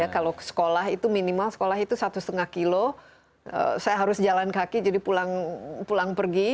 kalau sekolah itu minimal sekolah itu satu lima kilo saya harus jalan kaki jadi pulang pergi